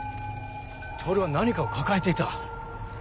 透は何かを抱えていた。